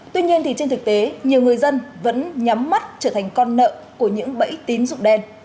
tuy nhiên trên thực tế nhiều người dân vẫn nhắm mắt trở thành con nợ của những bẫy tín dụng đen